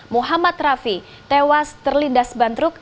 muhammad rafi tewas terlindas ban truk